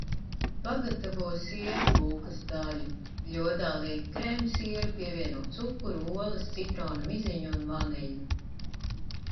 Pagatavo siera kūkas daļu – bļodā liek krēmsieru, pievieno cukuru, olas, citrona miziņu un vaniļu.